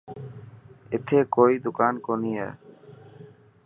اٿي ڪوئي دڪان ڪوني هي.